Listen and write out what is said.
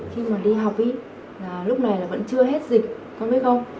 khi mà đi học ý lúc này là vẫn chưa hết dịch con biết không